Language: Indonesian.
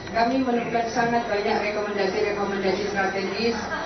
kami menemukan sangat banyak rekomendasi rekomendasi strategis